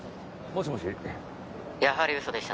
もしもし。